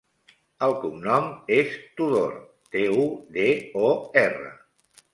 El cognom és Tudor: te, u, de, o, erra.